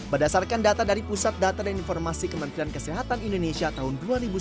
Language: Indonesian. berdasarkan data dari pusat data dan informasi kementerian kesehatan indonesia tahun dua ribu sembilan belas